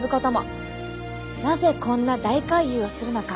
なぜこんな大回遊をするのか？